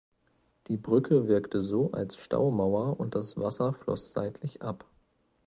Die Brücke wirkte so als Staumauer und das Wasser floss seitlich ab.